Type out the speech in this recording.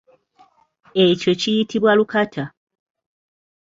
Ekyo kiyitibwa lukata.